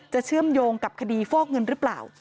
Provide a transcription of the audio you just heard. เชื่อมโยงกับคดีฟอกเงินหรือเปล่า